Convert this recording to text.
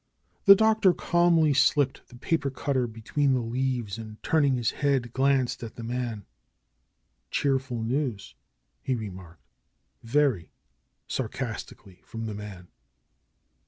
The Doctor calmly slipped the paper cutter between the leaves and turning his head glanced at the man. "Cheerful news," he remarked. "Very!" sarcastically from the man.